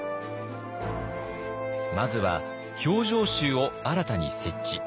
まずは「評定衆」を新たに設置。